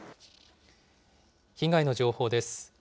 被害の情報です。